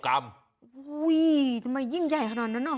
ทำไมยิ่งใหญ่ขนาดนั้น